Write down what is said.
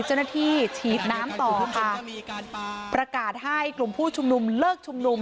เจ้าหน้าที่ฉีดน้ำต่อค่ะมีการประกาศให้กลุ่มผู้ชุมนุมเลิกชุมนุม